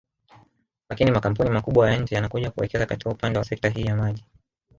Lakini makampuni makubwa ya nje yanakuja kuwekeza katika upande wa sekta hii ya maji